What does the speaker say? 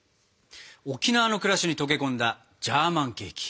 沖縄の暮らしに溶け込んだジャーマンケーキ。